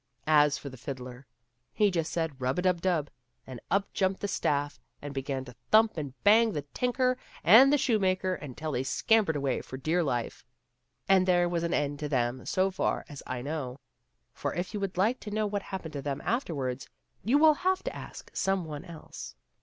As for the fiddler, he just said, " Rub a dub dub," and up jumped the staff and began to thump and bang the tinker and the shoemaker until they scampered away for dear life, and there was an end of them so far as I know, for if you would like to know what happened to them afterwards, you will have to ask some one else.